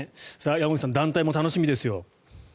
山口さん団体も楽しみですよ。